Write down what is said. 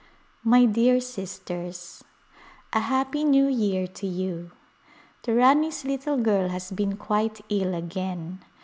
My dear Sisters : A Happy New Year to you ! The Rani's little girl has been quite ill again.